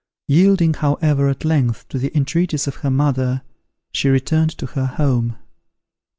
Yielding, however, at length, to the entreaties of her mother, she returned to her home.